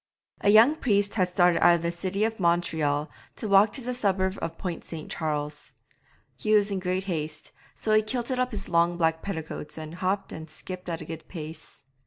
A young priest had started out of the city of Montreal to walk to the suburb of Point St. Charles. He was in great haste, so he kilted up his long black petticoats and hopped and skipped at a good pace.